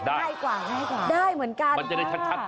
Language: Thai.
ได้กว่าได้เหมือนกัน